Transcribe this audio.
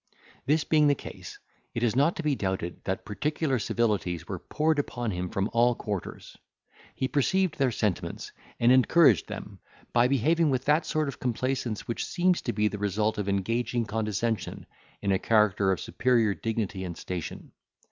This being the case, it is not to be doubted that particular civilities were poured upon him from all quarters. He perceived their sentiments, and encouraged them, by behaving with that sort of complaisance which seems to be the result of engaging condescension in a character of superior dignity and station.